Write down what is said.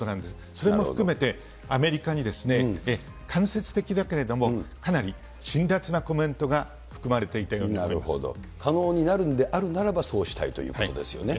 それも含めて、アメリカに間接的だけれども、かなり辛らつなコメントが含まれていたように思いま可能になるんであるならば、そうしたいということですよね。